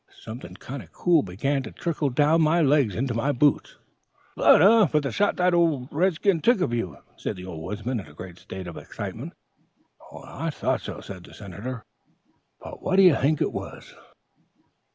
"Something kind of cool began to trickle down my legs into my boots " "Blood, eh? for the shot the varmint gin you," said the old woodsman, in a great state of excitement. "I thought so," said the Senator; "but what do you think it was?"